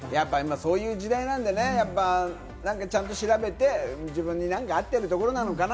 そういう時代なんでね、ちゃんと調べて、自分に何か合ってる所なのかな？